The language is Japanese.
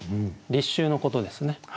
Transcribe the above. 立秋のことですね。